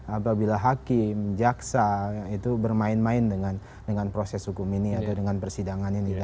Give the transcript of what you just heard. apabila hakim jaksa itu bermain main dengan proses hukum ini atau dengan persidangan ini